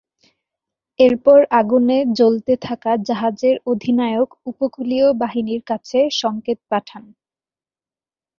এর পর আগুনে জ্বলতে থাকা জাহাজের অধিনায়ক উপকূলীয় বাহিনীর কাছে সংকেত পাঠান।